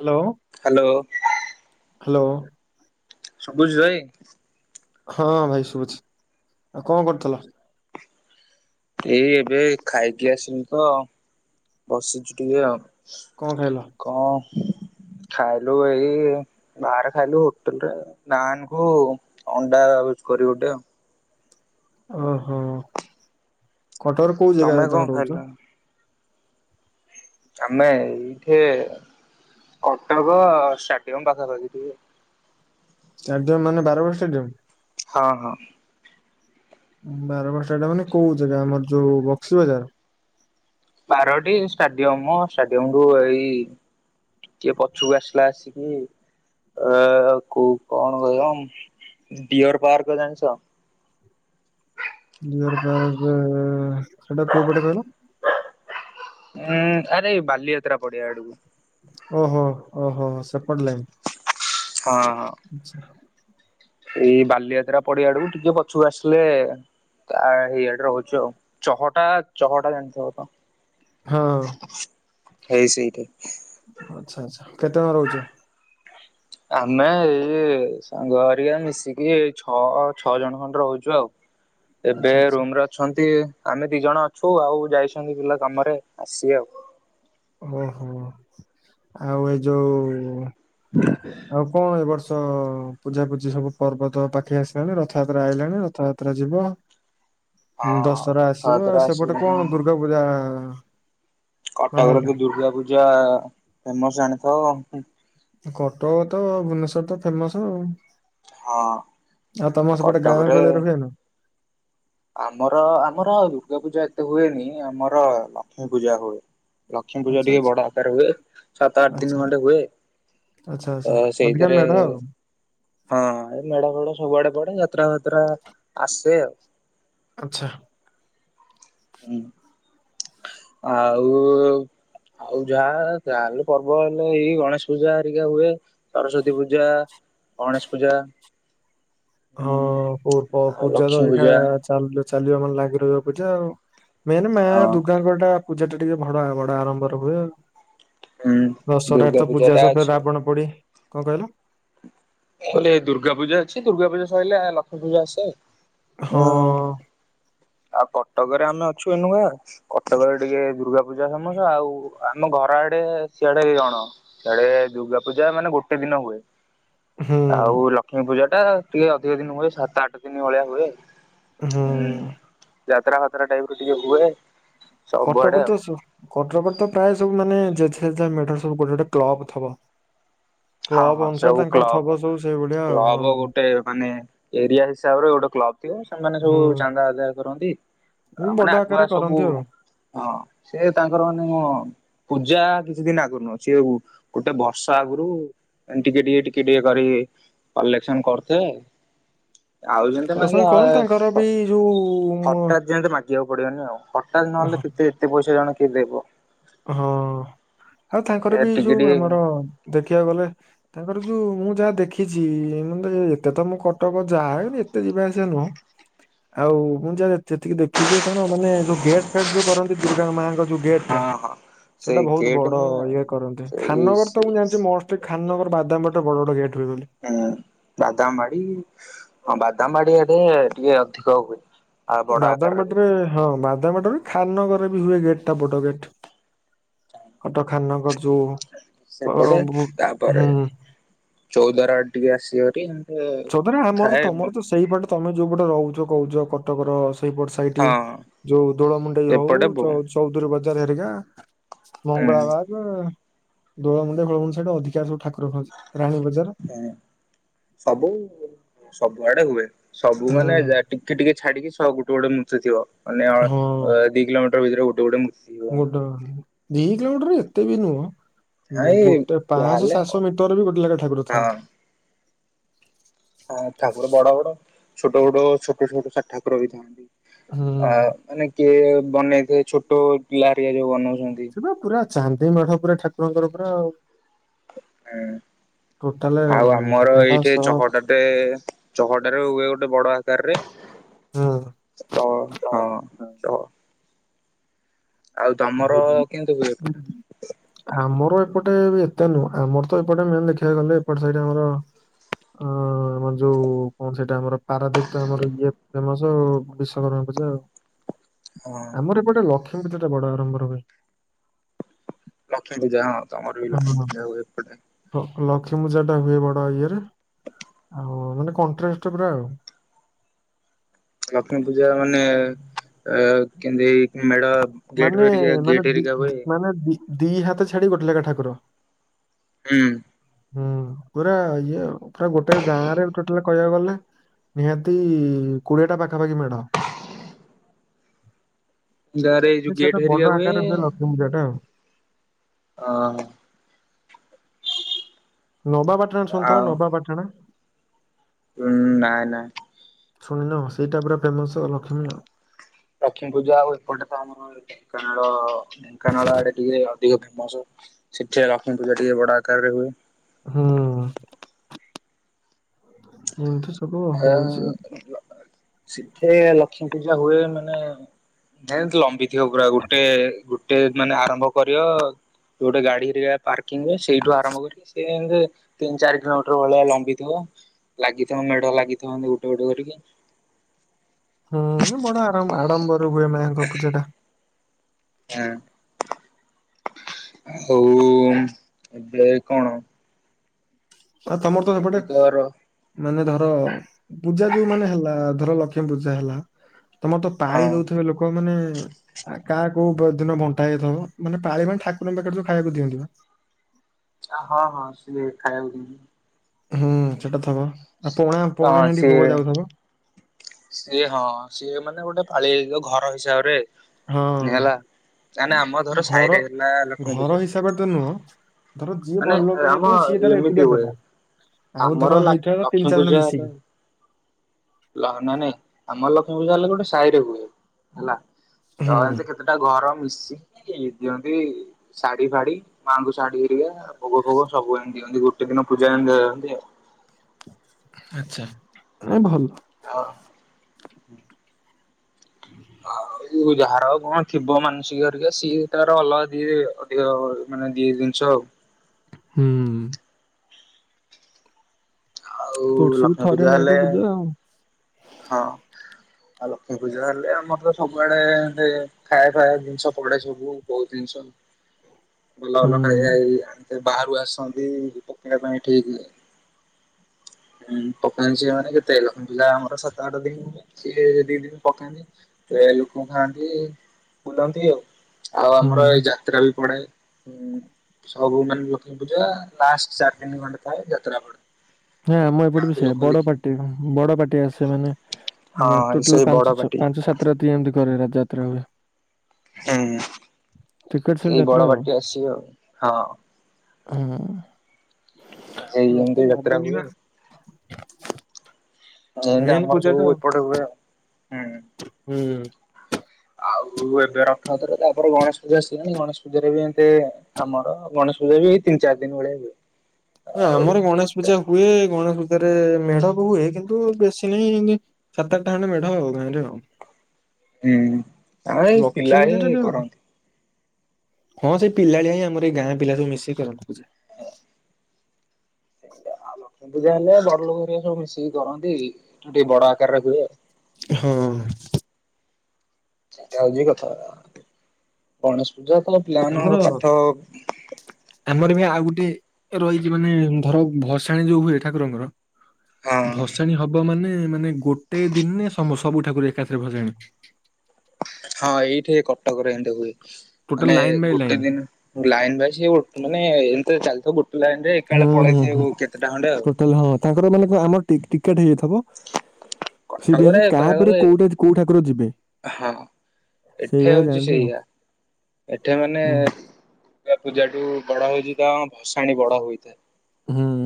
Hello hello hello ସବୁଛି ଭାଇ ହଁ ଭାଇ ଶୁଭୁଛି ଆଉ କଣ କରୁଥିଲ ଏଇ ଏବେ ଖାଇକି ଆସିଲି ତ ବସିଛିୁ ଟିକେ ଆଉ କଣ ଖାଇଲା କଣ ଖାଇଲୁ ଏଇ ବାହାରେ ଖାଇଲୁ ହୋଟେଲ ରେ ନାନ୍ କୁ ଅଣ୍ଡାୟଜ କରି ଗୋଟେ ଆଉ ଓହୋ କଠୋର କୋଉ ଜାଗା କଣ ତମେ ଖାଇଲ? ରହୁଛ ଆମେ ଏଇଠି କଟକ ଷ୍ଟାଟିମ ପାଖପ ଅ ଟିକେ ଷ୍ଟାଡିୟମ ମାନେ ବାର ବାର ଷ୍ଟାଡିୟମ ହଁ ହଁ ବାର ବାରଟା ଟା ମାନେ କୋଉ ଜାଗା ଆମର ଯୋଉ ବକ୍ସି ବଜାର ବାରଟି ଷ୍ଟାଡିୟମ ଷ୍ଟାଡିୟମ ରୁ ଏଇ କିଏ ପଛକୁ ଆସିଲା ଆସିକି ଅ କ କଣ କହିବ ଡିଅର ପାର୍କ ଜାଣିଛ ଡିୟର ପାର୍କ ସେଟା କୋଉ ପଟେ କହିଲ ଉଁ ଆରେଇ ବାଲିଯାତ୍ରା ପଡଆ ଆଡକୁ ଓହୋ ଓହୋ ହୋ ସେପଡ଼ିଲନ ହଁ ଆଚ୍ଛା ଏଇ ବାଲିଯାତ୍ରା ପଡିଆଡକୁ ଟିକେ ପଛକୁ ଆସିଲେ ଆ ଏଇଆଡେ ରହୁଛି ଆଉ ହଟା ଚଛହଟା ଜାଣିଛ ତ ହଁ ହେଇ ସେଇଟା ଆଚ୍ଛା ଆଚ୍ଛା କେତେ ଟଙ୍କା ରହୁଛ ଆମେ ଏଇ ସାଙ୍ଗ ଆରିକା ମିଶିକି ଏଇ ଛଅ ଛଅ ଜଣ ଖଣ୍ଡେ ରହୁଛୁ ଆଉ ହଁ ଏବେ ରୁମ ରେ ଅଛନ୍ତି ଆମେ ଦି ଜଣ ଅଛୁ ଆଉ ଯାଇଛନ୍ତି ପିଲା କାମରେ ଆସିବ ଆଉ ଓହୋ ଆଉ ଏ ଯୋଉ ଆଉ କଣ ଏ ବର୍ଷ ତ ପୂଜା ପୂଜି ସବୁ ପର୍ବତ ପାଖେଇ ଆସିଲାଣି ରଥଯାତ୍ରା ଆଇଲାାଣି ରଥଯାତ୍ରା ଯିବ ହଁ ଦଶହରା ଆସିବ ରଥଯାତ୍ରା ଆଉ ସେପଟେ କଣ ଦୁର୍ଗା ପୂଜା ମାହୋଲ କଟକରେ ଟା? ତ ଦୁର୍ଗା ପୂଜା ଫେମସ ଜାଣିଥିବ। କଟକ ତ ଭୁବନେଶ୍ଵର ରେ ତ ଫେମସ ଆଉ। ହଁ ଆଉ ତମର ସେପଟେ ଗାଁ ଗହଳି କଟକରେ ରେ ହୁଏନା? ଆମର ଆମର ଦୁର୍ଗା ପୂଜା ଏତେ ହୁଏନି। ଆମର ଲକ୍ଷ୍ମୀ ପୂଜା ହୁଏ। ଲକ୍ଷ୍ମୀ ପୂଜା ଆଚ୍ଛା ଟିକେ ଆଚ୍ଛା ବଡ ଆକାର ହୁଏ। ସାତ ଆଠ ଆଚ୍ଛା ଦିନ ଖଣ୍ଡେ ହୁଏ। ଆଚ୍ଛା ଅ ଆଚ୍ଛା ଅଧିକା ସେଇଥିରେ ମେଢ ଆଉ ହଁ ଏ ମେଢ ଫେଡ ସବୁଆଡେ ପଡେ ଯାତ୍ରା ଫାତ୍ରା ଆସେ ଆଉ। ଆଚ୍ଛା। ହୁଁ। ଆଉ ଆଉ ଯାହା ଯାହେଲେ ପର୍ବ ହେଲେ ଏଇ ଗଣେଶ ପୂଜା ହେରିକା ହୁଏ। ସରସ୍ଵତୀ ପୂଜା, ଗଣେଶ ପୂଜା। ହୁଁ ହଁ ପ ପୁ ଆଉ ପୂଜା ତ ଲକ୍ଷ୍ମୀ ଏକା ଚାଲିବା ମାନେ ଲାଗି ରହିବ ପୂଜା ଆଉ। ମେନ ମା ହଁ ଦୁର୍ଗା ଙ୍କଟା ପୂଜା ଟା ଟିକେ ଭଡା ବଡ ଆଡମ୍ଭର ହୁଏ ଆଉ। ହୁଁ ଦଶହରାରେ ଦୁର୍ଗା ତ ପୂଜା ଟା ସହ ଫେରେ ଅଛି। ମୁଁ ରାବଣ ପୋଡି। କଣ କହିଲ? ମୁଁ କହିଲି ଏ ଦୁର୍ଗା ପୂଜା ଅଛି ଦୁର୍ଗାପୂଜା ସରିଲେ ଲକ୍ଷ୍ମି ପୂଜା ଆସେ। ହଁ ୟ ଆଉ କଟକରେ ଆମେ ଅଛୁ ଏଉନୁକା କଟକରେ ଟିକେ ଦୁର୍ଗା ପୂଜା ଫେମସ ଆଉ ଆମ ଘର ଆଡେ ସିଆଡେ କଣ ସିଆଡେ ଦୁର୍ଗା ପୂଜା ମାନେ ଗୋଟେ ଦିନ ହୁଏ। ହୁଁ ଆଉ ଲକ୍ଷ୍ମୀ ପୂଜା ଟା ଟିକେ ଅଧିକ ଦିନ ହୁଏ ସାତ ଆଠ ଦିନ ଭଳିଆ ହୁଏ। ହୁଁ। ହୁଁ। ଯାତ୍ରା ଫାତ୍ରା ଟାଇପ ର ଟିକେ ହୁଏ। ସବୁଆଡେ କଟକରେ ଆଉ ତ କଟକରେ ତ ପ୍ରାୟ ସବୁ ମାନେ [unintelligible] ସବୁ ଗୋଟେ ଗୋଟେ କ୍ଲବ ଥବ। ହଁ ହଁ କ୍ଲବ ଅନୁସାରେ ସବୁ ତାଙ୍କର କ୍ଲବ। ଥବ ସବୁ ସେଇଭଳିଆ ଆଉ ହଁ କ୍ଲବ ଗୋଟେ ମାନେ ଏରିଆ ହିସାବରେ ଗୋଟେ କ୍ଲବ ଥିବ ସେମାନେ ସବୁ ହୁଁ ଚାନ୍ଦା ଆଦାୟ କରନ୍ତି। ହୁଁ, ମାନେ ବଡ ଆଗୁଆ ଆକାରରେ ସବୁ କରନ୍ତି ଆଉ। ହଁ ସେ ତାଙ୍କର ମାନେ ପୂଜା କିଛି ଦିନ ଆଗରୁ ନୁହଁ ସିଏ ଗୋଟେ ବର୍ଷା ଆଗରୁ ମାନେ ଟିକେ ଟିକେ ଟିକେ ଟିକେ କରିକି କଲେକ୍ସନ କରୁଥିବେ। ଆଉ। କରସନ କରନ୍ତି ତାଙ୍କର ବି [unintelligible] ହଠାତ୍ ଯୋଉ ମ ଯେମିତି ମାଗିବାକୁ ପଡିବନି ଆଉ। ହଠାତ୍ ହଁ ନହେଲେ କେତେ ଏତେ ପଇସା ଜଣ କିଏ ଦେବ। ହଁ ଆଉ ତାଙ୍କର ସେ ବି ଟିକେ ଯୋଉ ଟିକେ ଆମର ଦେଖିବାକୁ ଗଲେ ତାଙ୍କର ଯୋଉ ମୁଁ ଯାହା ଦେଖିଛି ମେ ଏତେ ତ ମୁଁ କଟକ ଯାଏନି କି ଏତେ ଯିବା ଆସିବା ନୁହଁ ଆଉ ମୁଁ ଯାହା ଯେତିକି ଦେଖିଛି ଏଥର ମାନେ ଯୋଉ ଗେଟ ଫେଟ ଯୋଉ କରନ୍ତି ଦୁର୍ଗା ମାଙ୍କର ଯୋଉ ଗେଟା ହଁ ଟା ହଁ ସେଇଟା ସେଇ ବହୁତ ଗେଟ୍ ବଡ ହିଁ ଇଏ କରନ୍ତି। ସେଇ ଖାନନଗର ତ ମୁଁ ଜାଣିଛି ମଷ୍ଟ ଖାନନଗର ବାଦାମବାଡିରେ ବଡ ବଡ ଗେଟ୍ ହୁଏ ବୋଲି। ହୁଁ ବାଦାମ ବାଡି ହଁ ବାଦାମ ବାଡିଆଡେ ଟିକେ ଅଧିକ ହୁଏ। ଆଉ ବଡ ଆକାରରେ ହୁଏ ବାଦାମବାଡିରେ ହଁ ବାଦାମବାଡିରେ ଖାନନଗର ରେ ବି ହୁଏ ଗେଟ୍ ଟା ବଡ ଗେଟ୍। କଟକ ଖାନନଗର ଯୋଉ ଅ ସେପଟେ ବୁ- ତାପରେ ହୁଁ ଚୌଦ୍ୱାର ଆଡେ ଟିକେ ଆସିବ ଭାରି ଆଉ। ଚୌଦ୍ୱାର ଆମର ତମର ତ ସେଇପଟ ତମେ ଯୋଉପଟେ ରହୁଛ କହୁଛ କଟକର ସେଇପଟ ସେଇଠି ହଁ ଯୋଉ ଦୋଳମୁଣ୍ଡେଇ ହଉ ଏପଟେ ବ ହୁଁ ଯୋଉ ଚଉଧୁରୀ ବଜାର ହେରିକା ହୁଁ ମଙ୍ଗଳାବାଗ ଦୋଳମୁଣ୍ଡେଇ ଫୋଳ ମୁଣ୍ଡେଇ ସାଇଟ୍ ରେ ଅଧିକା ସବୁ ଠାକୁର ଅଛି, ରାଣୀ ବଜାର। ହଁ ସବୁ ସବୁଆଡେ ହୁଏ। ସବୁ ହୁଁ ମାନେ ଟିକେ ଟିକେ ଛାଡିକି ସବୁ ଗୋଟେ ଗୋଟେ ମୂର୍ତ୍ତି ଥିବ। ହଁ [unintelligible] ଦି କିଲୋମଟର ଭିତରେ ଗୋଟେ ଗୋଟେ ମୂର୍ତ୍ତି ଥିବ ଏମତି। [unintelligible] ଦି କିଲୋମିଟର ଏତେ ବି ନୁହଁ, ନାଇଁ ଗୋଟେ ପାଶହ ଯାହାହେଲେ ହଁ ସାତଶହ ମି ର ବି ଗୋଟେ ନାଖେ ଠାକୁର ଥାନ୍ତି। ହଁ ଠାକୁର ବଡ ବଡ ଛୋଟ ବଟ ଛୋଟ ଛୋଟ ଠାକୁର ବି ଥାଆନ୍ତି। ହୁଁ ଅ ମାନେ କିଏ ବନେଇଦିଏ ଛୋଟ ପିଲାରିଆ ଯୋଉ ବନଉଛନ୍ତି। ହଁ ପୁରା ଚାନ୍ଦି ମେଢ ପୁରା ଠାକୁରଙ୍କର ପୁରା ଆଉ। ହୁଁ ଟୋଟାଲେ ଆଉ ଆମର ମେଢ ଏଇଠି ସହ ଚହଟାଟେ ଚହଟାରେ ହୁଏ ଗୋଟେ ବଡ ଆକାରରେ ହଁ ତ ହଁ ଆଉ ଦମର କେମତିୁ ହୁ ଏପଟେ ଆମର ଏପଟେ ଏତେ ନୁହଁ ଆମର ତ ଏପଟେ ମ ଦେଖିବାକୁ ଗଲେ ଏପଟେ ସେଇଠ ଆମର ଅ ଆମର ଯୋଉ କଣ ସେଇଟା ଆମର ପାରାଦଵୀପ ତ ଆମର ଇଏ ଫେମସ ଆଉ ବିଶ୍ୱକର୍ମା ପୂଜା ଆଉ ହଁ ଆମର ଏ ଗୋଟେକ୍ଷ୍ମୀ ପୂାଡ ଆରମ୍ଭରୁଏ ଲକ୍ଷ୍ମୀ ପୂଜା ହଁ ତମର ବିକ୍ମୀ ହଁ। ପୂା ହଏପଟେ ଲକ୍ଷ୍ମୀ ପୂଜା ଟା ହୁଏ ବଡ ଇଏରେ ଆଉ ମାନେ କଣ୍ଟରାଷ୍ଟ ପା ଆଉ ଲକ୍ଷ୍ମୀ ପୂଜା ମାନେ ଅ କେମତି ମେଢ ଗେଟ୍ ମାନେ ହେରିକା ମାନେ ଗେଟ୍ ଦି ହେରିକା ହୁଏ ମାନେ ଦି ହାତ ଛାଡି ଗୋଟେ ଲାଗା ଠାକୁର ହୁଁ ହୁଁ ପୁରା ଇଏ ପୁରା ଗୋଟେ ଗାଁ ରେଟାଲ କହିବାକୁ ଗଲେ ନିହାତି କୋଡିଏଟା ପାଖାପାଖି ମେଢ ଗାଁରେ ଏଇ ଯେ ଯୋଉ ସେଇଟା ଗେଟ ବଡ ହେରଆ ହୁଏ ଆକାରରେ ଲକ୍ଷ୍ମୀ ପୂଜାଟା ଆଉ। ହଁ ନବାପାଟଣ ଶୁଣିଥିବ ନବାପାଟଣା ହୁଁ ନାଇଁ ନାଇଁ ଶୁଣିନ ସେଇଟା ପୁରା ଫେମସ ଲକ୍ଷ୍ମୀ ନ ଲକ୍ଷ୍ମୀ ପୂଜା ଆଉ ଏପଟେ ତ ଆମର ଢେଙ୍କାନାଳ ଢେଙ୍କାନାଳ ଆଡେ ଟିକେ ଅଧିକ ଫେମସ ଶିକ୍ଷା ଲଲାକଙ୍କ ଜରିଏ ବଡ଼ା କରରେ ହୁଏ ହଁ ଏମିତି ସବୁ ହଉଛି ହଁ ଆଉ। ସେଠେ ଲକ୍ଷ୍ମୀ ପୂଜା ହୁଏ ମାନେ ଯେ ଲମ୍ବିଥିବ ପୁରା ଗୋଟେ ଗୋଟେ ମାନେ ଆରମ୍ଭ କର ଗୋଟେ ଗାଡିରେ ପାର୍କିଂ ରେ ସେଇଠୁ ଆରମ୍ଭ କରିକ ସେ ତିନି ଚାରି କିଲୋମିଟର ଭଳିଆ ଲମ୍ବିଥିବ ଲାଗିଥିବ ମେଢ ଲାଗିଥିବ ଗୋଟେ ଗୋଟେ କରିକି ହୁଁ ବଡ ଆରମ୍ ଆରମ୍ବର ହୁଏ ମାଙ୍କ ପୂଜା ଟା ହଁ ଆଉ ଏବେ କଣ ଆ ତମର ତ ଏବେ ସେପଟେ ର ମାନେ ଧର ପୂଜା ଯୋଉ ମାନେ ହେଲା ଧର ଲକ୍ଷ୍ମୀ ପୂଜା ହେଲା ତମର ତ ପାଳି ହଁ ଦଉଥିବେ ଲୋକ ମାନେ କାହା କୋଉ ଦିନ ବଣ୍ଟା ହେଇଥିବ ମାନେ ପାଳି ମଣି ଠାକୁରଙ୍କ ପାଖରେ ଯୋଉ ଖବାକୁ ଦିଅନ୍ତି ବା ହଁ ହଁ ସିଏ ଖାଇବାକୁ ହୁଁ ସେଟା ଥବ ଆଉ ପଣା ହଁ ପୋଣା ହେ ବି ସିଏ ଭୋଗ ଯାଉଥିବ ସିଏ ହଁ ସିଏ ମାନେ ଗୋଟେ ପାଳିଆ ଘର ହିସାବରେ ହଁ ହେଲା ମାନେ ଆମ ଧର ଘର ସାହିରେ ହେଲା ଲକ୍ଷ୍ମୀ ପୂଜା ଘର ହିସାବରେ ତ ନୁହଁ ଧର ଯିଏ ମାନେ ବଡଲଗିଆ ଆମ ହେଇଥିବ ସିଏ ତାର ଏମିତି ଏକୁଟିଆ ହୁଏ ଦବା ଆଉ ଆମର ଧର ହେଇଥିବ ତିନି ଲକ୍ଷ୍ମୀ ଚାରି ଜଣ ମିଶିକି ନ ନାଇଁ ଆମର ଲକ୍ଷ୍ମୀପୂଜା ହେଲେ ଗୋଟେ ସାହି ରେ ହୁଏ ହେଲା ତ ହୁଁ ଏମିତି କେତେଟା ଘର ମିଶି ଇ ଦିଅନ୍ତି ଶାଢୀ ଫାଢୀ ମାଆଙ୍କୁ ଶାଢୀ ହେରିକା ଭୋଗ ଫୋଗ ସବୁ ଏଣି ଦିଅନ୍ତିୋଟ ଏଟେ ଦିନ ପୂଜାନ୍ତ ଅ ଆଛା ଭଲ ହଁ ହୁଁ ଯୋଉ ଯାହାର କଣ ଥିବ ମାନସିକ ହେରିକା ସିଏ ତାର ଅଲଗା ଦିଏ, ଅଧିକ ମାନେ ଦିଏ ଜିନିଷ ଆଉ। ହୁଁ ଉଁ। ଆଉ ବର୍ଷକୁ ଲକ୍ଷ୍ମୀ ଥରେ ପୂଜା ମାଆଙ୍କ ହେଲେ ଆଉ ହଁ। ଆଉ ଲକ୍ଷ୍ମୀ ପୂଜା ହେଲେ ଆମର ତ ସବୁଆଡେ ନେଇ ଆସି ଖାଇଆ ଫାଇଆ ଜିନିଷ ପଡେ ସବୁ ବହୁତ ଜିନିଷ। ହୁଁ। ଭଲ ଭଲ ଖାଇବା ଏଇ ଏ ବାହାରୁ ଆସନ୍ତି ଦୀପ କିଣିବା ପାଇଁକି ଇଠିକି। ହଁ ପକା ଝିଅମାନେ କେତେ ଲକ୍ଷ୍ମୀ ପୂଜା ଆମର ହଁ ସାତ ଆଠ ଦିନ, ସିଏ ଦି ଦିନ ପକାନ୍ତି ତ ଏ ଲୋକଙ୍କୁ ଖାଆନ୍ତି, ବୁଲନ୍ତି ଆଉ ଆଉ ହୁଁ ଆମର ଏଇ ଯାହା ଯାତରା ବି ପଡ଼େ ହୁଁ ସବୁ ମାନେ ଲକ୍ଷ୍ମୀ ପୂଜା, ଲାଷ୍ଟ ଚାରି ଦିନ ଖଣ୍ଡେ ଥାଏ ଯାତ୍ରା ପଡ଼େ। ନାଇଁ ଆମ ଏପଟେ ବି ସେୟା। ବଡ ପାର୍ଟିରେ ବଡ ପାର୍ଟି ଆସେ ସେ ମାନେ, ମାନେ ହଁ ଟୋଟାଲ୍ ସେଇ ବଡ ପାଞ୍ଚ ସାତ ପାଟି। ପାଞ୍ଚ ସାତ ରାତି ଏମତି କରେ ରଥ ଯାତ୍ରା ବେଳେ। ହୁଁ ସେଲ୍ ସେଇ ଯାତ୍ରା ବଡ ଆଉ ପାର୍ଟି ଆସିବେ ଆଉ। ହଁ। ହୁଁ। ଯେଇ ଏମିତି ନକଲେ ଯାତ୍ରା ହବନି ବା ହୁଏ ଆଉ। ଯେନ୍ତି ମେନ୍ ଆମର ପୂଜା ଟା ସବୁ ଆଉ। ଏପଟେ ହୁଏ ଆଉ। ହୁଁ। ହୁଁ। ଆଉ ଏବେ ରଥଯାତ୍ରା, ତାପରେ ଗଣେଶ ପୂଜା ଆସିଲାଣି, ଗଣେଶ ପୂଜାରେ ବି ଏମିତି ଆମର ଗଣେଶ ପୂଜା ବି ଏଇ ତିନି ଚାରି ଦିନ ଭଳିଆ ହୁଏ। ଆଉ ଆମର ଗଣେଶ ପୂଜା ହୁଏ, ଗଣେଶ ପୂଜାରେ ମେଢ ବି ହୁଏ କିନ୍ତୁ ବେଶୀ ନାହିଁ ଏନ୍ତି ସାତ ଆଠଟା ଖଣ୍ଡେ ମେଢ ଆଉ ଗାଁରେ ଆଉ। ହୁଁ, ଆ ଏଇ ଲକ୍ଷ୍ମୀ ପିଲା ପୂଜା ହିଁ ଟା ଟିକେ କରନ୍ତି। ହଁ ସେଇ ପିଲାଳିଆ ହିଁ ଆମର ଏଇ ଗାଁ ପିଲା ସବୁ ମିଶିକି କରନ୍ତି। ହଁ। ଆଉ ଲକ୍ଷ୍ମୀ ପୂଜା ହେଲେ ବଡ ଲୋକ ହେରିକା ସବୁ ମିଶିକି କରନ୍ତି, ଟିକେ ବଡ ଆକାରରେ ହୁଏ ଆଉ। ହଁ। ସେଇଟା ହଉଚି କଥାଟା। ଗଣେଶ ପୂଜା ତ ଆମର ପିଲାମାନଙ୍କ ପାଠ ଆମର ବି ଆଉ ଗୋଟିଏ ରହିଚି ମାନେ ଧର ଭସାଣୀ ଯୋଉ ହୁଏ ଠାକୁରଙ୍କର ହଁ ଭସାଣୀ ହବ ହବ ମାନେ, ମାନେ ଗୋଟେ ଦିନେ ସମ ସବୁ ଠାକୁର ଏକାଥରେ ଭସାଣି। ହଁ ଏଇଠି ଏଇ କଟକରେ ଏମିତି ହୁଏ। ଟୋଟାଲ ମାନେ ଲାଇନ ବାଇ ଗୋଟେ ଲାଇନ। ଦିନ ଲାଇନ ବାଇ ସେଇ ମାନେ ଏମତିରେ ଚାଲିଥିବ ଗୋଟେ ଲାଇନରେ ହୁଁ ଏକାବେଳେ ହୁଁ ହୁଁ ପଳେଇଥିବ କେତେଟା ଖଣ୍ଡେ ଆଉ। ଟୋଟାଲ ହଁ ତାଙ୍କର ମାନେ ଆମ କଣ ଟି-ଟିକେଟ ହେଇଯାଇଥିବ। ସିରିଏଲରେ କଟକରେ କହିବାକୁ କାହାପରେ ଗଲେ କୋଉଟା କୋଉ ଠାକୁର ଯିବେ? ଏଠେ ସେଇଭଳିଆ ହଉଛି ଜାଣନ୍ତି ଆଉ। ସେଇଆ। ଏଠେ ମାନେ ହୁଁ ଦୂର୍ଗା ପୂଜାଠୁ ବଡ ହଉଛି ତ ଆମ ଭସାଣି ବଡ ହୋଇଥାଏ। ହୁଁ।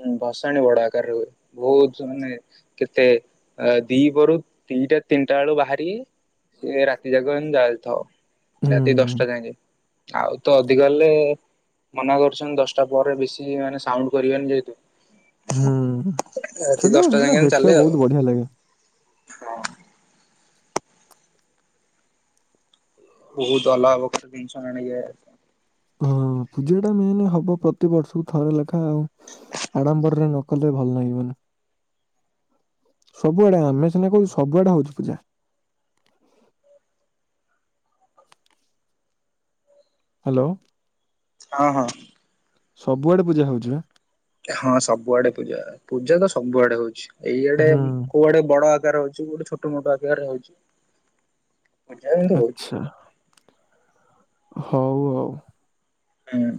ହୁଁ, ଭସାଣୀ ବଡ ଆକାରରେ ହୁଏ। ବହୁତ ମାନେ କେତେ ଆ ଦ୍ଵିପହରୁ ଦିଟା ତିନିଟା ବେଳୁ ବାହାରିକି ରାତି ଯାକ ଏମତି ଯାଇଥାଉ। ରାତି ହୁଁ ଦଶଟା ଯାକେଁ। ଆଉ ତ ଅଧିକ ହେଲେ ମନା କରୁଛନ୍ତି ଦଶଟା ପରେ ବେଶୀ ମାନେ ସାଉଣ୍ଡ କରିବେନି ଯେହେତୁ ହୁଁ। ସେଟା ସେଟା ଦେଖିବାକୁ ବହୁତ ବଢିଆ ଲାଗେ। ହଁ। ବହୁତ ଅଲଗା ପ୍ରକାର ଜିନିଷ ଆଣିକି [unintelligible] ହଁ ପୂଜାଟା ମେନ୍ ହବ ପ୍ରତିିବର୍ଷକୁ ଥରେ ଲେଖା ଆଉ। ଆଡ଼ମ୍ବରରେ ନ କଲେ ଭଲ ଲାଗିବନି। ସବୁଆଡେ, ଆମେ ସିନା କହୁଚୁ ସବୁଆଡେ ହଉଛି ପୂଜା। ହ୍ୟାଲୋ। ହଁ ହଁ। ସବୁଆଡେ ପୂଜା ହଉଛି ବା। ହଁ ସବୁଆଡେ ପୂଜା ପୂଜା ତ ସବୁଆଡେ ହଉଛି। ଏଇଆଡେ ହୁଁ କୋଉଆଡେ ବଡ ଆକାର ହଉଛିୁ କୋଉଆଡ଼େ ଛୋଟ ମୋଟ ଆକାରରେ ହଉଛି। ପୂଜା କିନ୍ତୁ ହଉଛି ଆଚ୍ଛା ହଉ ଆଉ। ହୁଁ।